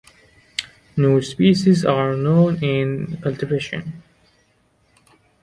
No species are known in cultivation.